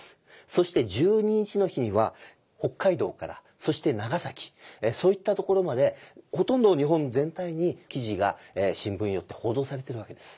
そして１２日の日には北海道からそして長崎そういったところまでほとんど日本全体に記事が新聞によって報道されてるわけです。